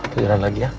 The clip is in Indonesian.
kita jalan lagi ya